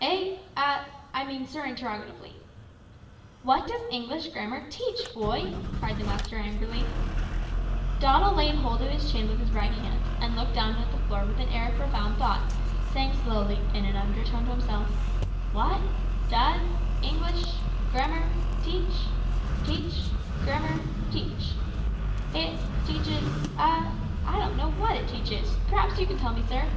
"`Eh? a I mean sir interrogatively.' "`What does English grammar teach, boy?' cried the master angrily. "Doddle laid hold of his chin with his right hand, and looked down at the floor with an air of profound thought, saying slowly, in an undertone to himself, `What does English grammar teach teach grammar teach? It teaches a I don't know what it teaches. Perhaps you can tell me, sir?'